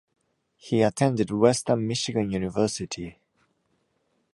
He attended Western Michigan University.